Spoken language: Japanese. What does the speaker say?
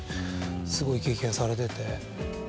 すごい経験されてて。